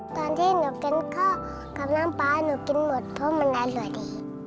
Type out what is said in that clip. ตอนที่หนูกินข้าวกับน้ำปลาหนูกินหมดเพราะมันอร่อยดี